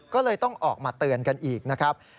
ก็เลยต้องออกมาเตือนกันอีกนะครับ